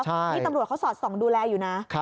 นี่ตำรวจเขาสอดส่องดูแลอยู่นะ